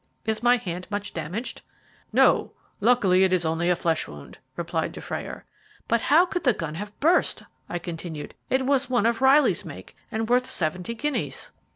Is my hand much damaged?" "No. Luckily it is only a flesh wound," replied Dufrayer. "But how could the gun have burst?" I continued. "It was one of Riley's make, and worth seventy guineas."